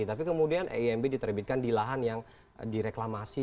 tapi kemudian imb diterbitkan di lahan yang direklamasi